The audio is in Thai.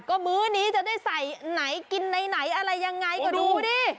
ก็มื้อนี้จะได้ใส่ไหนกินไหนอะไรยังไงก็ดูดิ